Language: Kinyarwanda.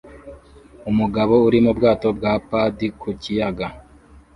Umugabo uri mu bwato bwa padi ku kiyaga